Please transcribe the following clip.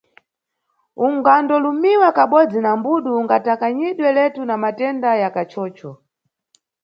Ungandolumiwa kabodzi na mbudu ungatakanyidwe letu na matenda ya kachocho.